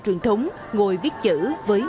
truyền thống ngồi viết chữ với